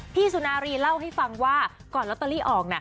สุนารีเล่าให้ฟังว่าก่อนลอตเตอรี่ออก